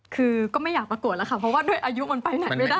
คือก็ไม่อยากประกวดแล้วค่ะเพราะว่าด้วยอายุมันไปไหนไม่ได้